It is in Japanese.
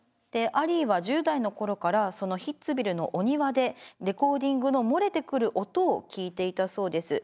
アリーは１０代の頃からそのヒッツヴィルのお庭でレコーディングの漏れてくる音を聴いていたそうです。